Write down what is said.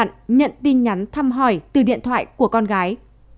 bà p cho biết trước đó mình vẫn đều đặn nhận tin nhắn thăm hỏi từ điện thoại của con gái